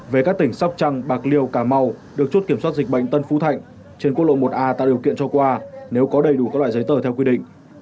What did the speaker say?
về các tỉnh sóc trăng bạc liêu cà mau được chốt kiểm soát dịch bệnh tân phú thạnh trên quốc lộ một a tạo điều kiện cho qua nếu có đầy đủ các loại giấy tờ theo quy định